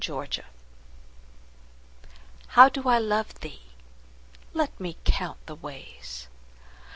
XLIII How do I love thee? Let me count the ways.